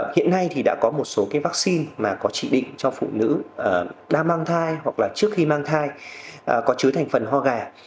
hiện nay đã có một số vaccine có chỉ định cho phụ nữ đang mang thai hoặc trước khi mang thai có chứa thành phần ho gà